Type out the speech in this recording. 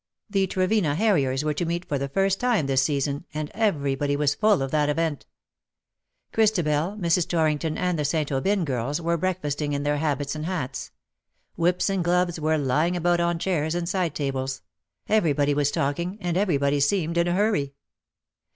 The Trevena harriers were to meet for the first time this season^ and everybody was full of that event. Christabel, Mrs. Torrington_, and the St, Aubyn girls were breakfasting in their habits and hats : whips and gloves were lying about on chairs and side tables — everybody was talk ing, and everybody seemed in a hurry.